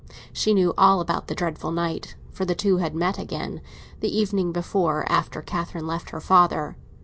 She knew all about her dreadful night, for the two had met again, the evening before, after Catherine left her father.